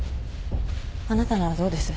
あなたならどうです？